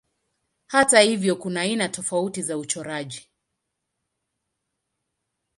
Hata hivyo kuna aina tofauti za uchoraji.